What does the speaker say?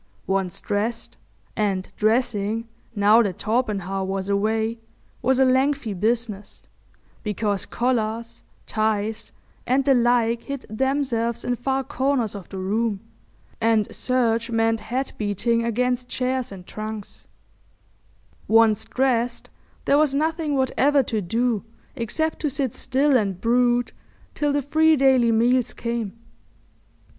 Once dressed—and dressing, now that Torpenhow was away, was a lengthy business, because collars, ties, and the like hid themselves in far corners of the room, and search meant head beating against chairs and trunks—once dressed, there was nothing whatever to do except to sit still and brood till the three daily meals came.